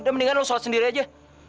udah mendingan lo sholat sendiri aja